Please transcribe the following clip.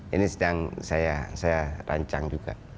ini sedang saya rancang juga